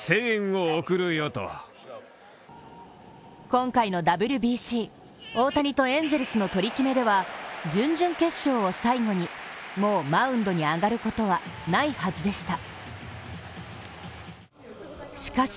今回のＷＢＣ、大谷とエンゼルスの取り決めでは準々決勝を最後にもうマウンドに上がることはないはずでした。